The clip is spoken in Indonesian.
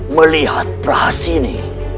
melihat perhati ini